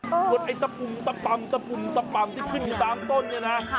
เหมือนไอ้ตะปุ่มตะปับที่ขึ้นหนูตามต้นนี่นะ